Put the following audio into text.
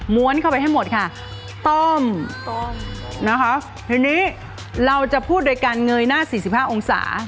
ม้วนเข้าไปให้หมดค่ะต้มนะคะทีนี้เราจะพูดโดยกันเงยนะ๔๕องศา